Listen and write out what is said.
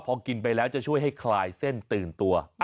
พอกินไปแล้วจะช่วยให้คลายเส้นตื่นตัว